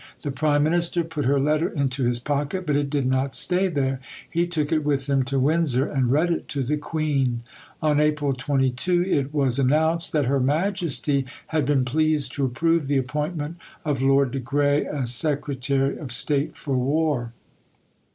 The Prime Minister put her letter into his pocket, but it did not stay there. He took it with him to Windsor and read it to the Queen. On April 22 it was announced that Her Majesty had been pleased to approve the appointment of Lord de Grey as Secretary of State for War.